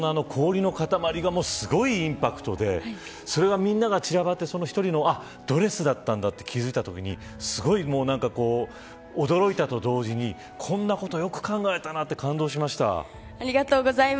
冒頭の氷の塊がすごいインパクトでみんなが散らばってドレスだったんだって気付いたときすごく驚いたのと同時にこんなことよく考えたなって感動しました。